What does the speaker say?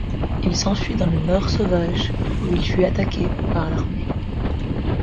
Il s'enfuit dans le Nord sauvage, où il fut attaqué par l'armée.